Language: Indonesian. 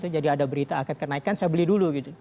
jadi ada berita akan kenaikan saya beli dulu